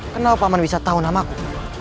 kenapa paman bisa tahu nama aku